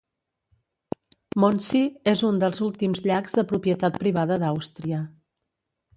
Mondsee és un dels últims llacs de propietat privada d'Àustria.